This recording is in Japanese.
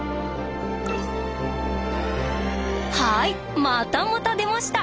はいまたまた出ました！